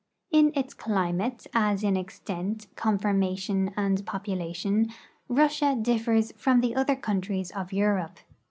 In its climate, as in extent, conformation, and population, Russia differs from the other countries of Europe.